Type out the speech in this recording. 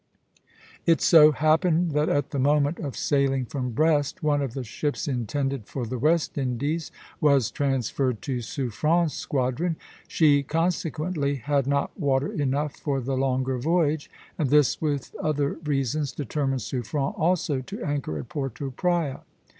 It so happened that at the moment of sailing from Brest one of the ships intended for the West Indies was transferred to Suffren's squadron. She consequently had not water enough for the longer voyage, and this with other reasons determined Suffren also to anchor at Porto Praya.